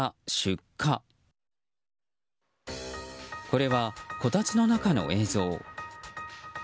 これは、こたつの中の映像。